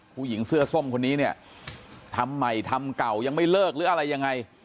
ผู้หญิงเสื้อส้มคนนี้เนี่ยทำใหม่ทำเก่ายังไม่เลิกหรืออะไรยังไง